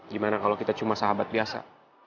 gimana kalau kita cuma sahabat biasa